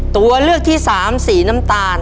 ตัวเลือกที่สามสีน้ำตาล